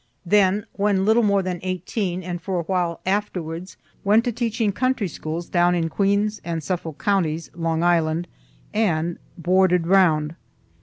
Then, when little more than 18, and for a while afterwards, went to teaching country schools down in Queens and Suffolk counties, Long Island, and "boarded round."